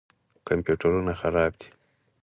کمپیوټرونه خراب دي.